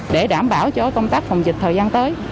để đảm bảo cho công tác phòng dịch thời gian tới